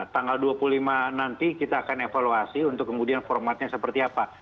tanggal dua puluh lima nanti kita akan evaluasi untuk kemudian formatnya seperti apa